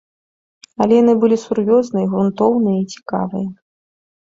Але яны былі сур'ёзныя, грунтоўныя і цікавыя.